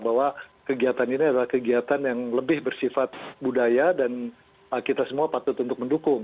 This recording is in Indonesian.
bahwa kegiatan ini adalah kegiatan yang lebih bersifat budaya dan kita semua patut untuk mendukung